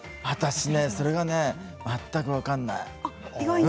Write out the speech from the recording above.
私ね、それがね全く分からない。